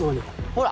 ほら。